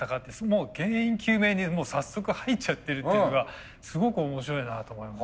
もう原因究明に早速入っちゃってるっていうのがすごく面白いなと思いますね。